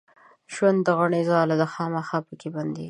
ژوند د غڼي ځاله ده خامخا به پکښې بندېږې